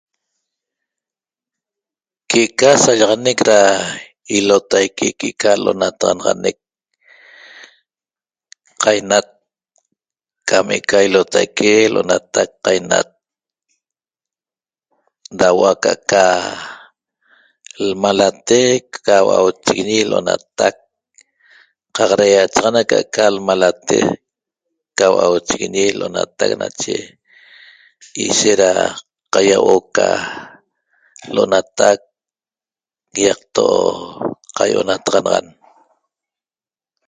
Que eca saxallaxanec da ilotaique que ca lolaxataxaneq cainat came ca ilotaique lonataq cainat da huoo ca aca l'malate cataq HUACHIGUIÑI lonataq caxare nache aca ca da iachaica nmalate ca hu'a chiguñi lonataq nache ishe da caýa huo'o ca lonataq iato caio natonaxanan